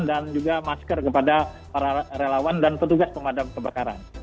dan juga masker kepada para relawan dan petugas pemadam kebakaran